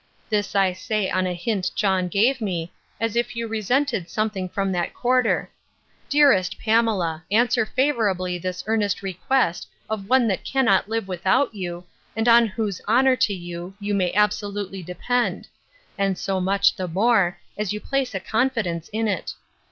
This I say on a hint John gave me, as if you resented something from that quarter. Dearest Pamela, answer favourably this earnest request of one that cannot live without you, and on whose honour to you, you may absolutely depend; and so much the more, as you place a confidence in it.